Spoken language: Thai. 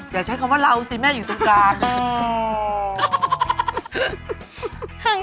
อย่าใช้คำว่าเราสิแม่อยู่ตรงกลาง